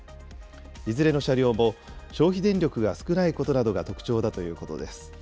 いずれの車両も、消費電力が少ないことなどが特徴だということです。